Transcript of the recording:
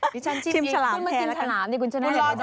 นี่ฉันชิมชาลามทักแผลกัน